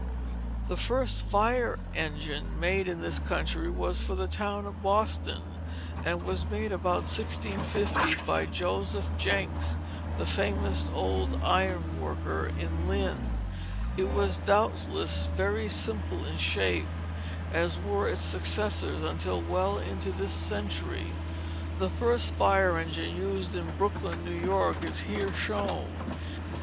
The first fire engine made in this country was for the town of Boston, and was made about 1650 by Joseph Jencks, the famous old iron worker in Lynn. It was doubtless very simple in shape, as were its successors until well into this century. The first fire engine used in Brooklyn, New York, is here shown.